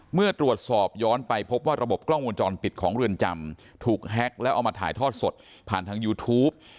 เมื่อตรวจสอบย้อนไปพบว่าระบบกล้องวงจรปิดของเรือนจำถูกแฮ็กแล้วเอามาถ่ายทอดสดผ่านทางยูทูป